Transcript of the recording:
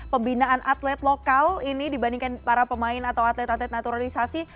pembinaan atlet lokal ini dibandingkan para pemain atau atlet atlet naturalisasi